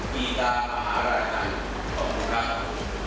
มีตาประหาราชัยของคุณครับ